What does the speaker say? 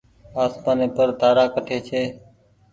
آسمآني پر تآرآ ڪٺي ڇي۔